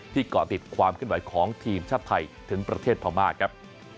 ที่ก่อติดความกันไว้ของทีมชาติไทยถึงประเทศพามาครับ